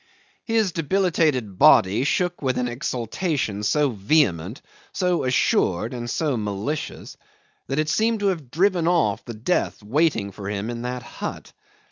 ..." 'His debilitated body shook with an exultation so vehement, so assured, and so malicious that it seemed to have driven off the death waiting for him in that hut.